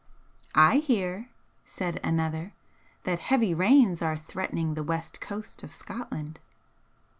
"I hear," said another, "that heavy rains are threatening the west coast of Scotland."